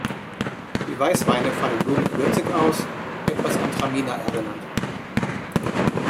Die Weißweine fallen blumig-würzig aus, etwas an Traminer erinnernd.